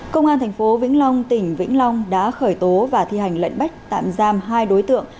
cơ quan thành phố vĩnh long tỉnh vĩnh long đã khởi tố và thi hành lận bách tạm giam hai đối tượng